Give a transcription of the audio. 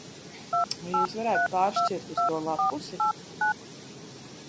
Vai jūs varētu pāršķirt uz to lappusi?